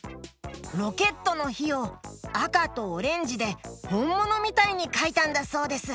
ロケットのひをあかとオレンジでほんものみたいにかいたんだそうです！